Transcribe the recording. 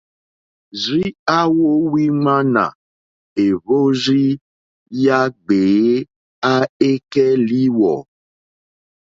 Rzii a wowi ŋmana èhvrozi ya gbèe, a e kɛ liwɔ̀,.